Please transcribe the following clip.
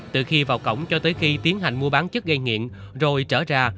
từ khi vào cổng cho tới khi tiến hành mua bán chất gây nghiện rồi trở ra